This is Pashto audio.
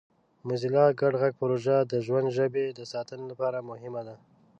موزیلا ګډ غږ پروژه د ژوندۍ ژبې د ساتنې لپاره مهمه ده.